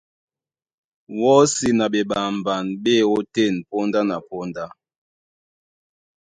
Wɔ́si na ɓeɓamɓan ɓá e ótên póndá na póndá.